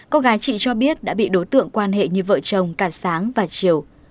cô gái chị cho biết đã bị đối tượng quan hệ như vợ chồng cả sáng và chiều